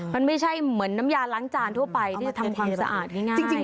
มันไม่ใช่เหมือนน้ำยาล้างจานทั่วไปที่จะทำความสะอาดง่ายจริง